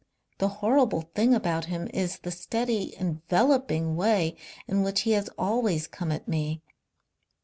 The horrible thing about him is the steady ENVELOPING way in which he has always come at me.